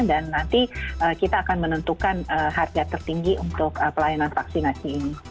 nanti kita akan menentukan harga tertinggi untuk pelayanan vaksinasi ini